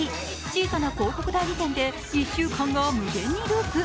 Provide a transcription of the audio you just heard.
小さな広告代理店で１週間が無限にループ。